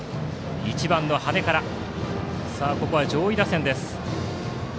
１番の羽根からここは上位打線です。